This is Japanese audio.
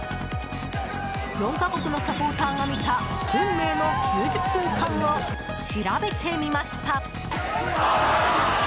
４か国のサポーターが見た運命の９０分間を調べてみました。